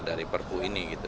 dari perpu ini